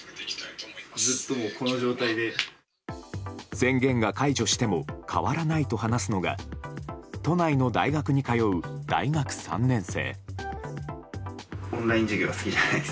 宣言が解除しても変わらないと話すのが都内の大学に通う大学３年生。